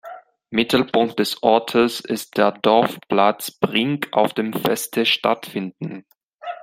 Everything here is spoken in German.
Mittelpunkt des Ortes ist der Dorfplatz „Brink“, auf dem Feste stattfinden.